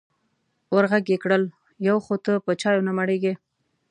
ور غږ یې کړل: یو خو ته په چایو نه مړېږې.